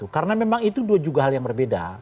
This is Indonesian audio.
karena memang itu dua juga hal yang berbeda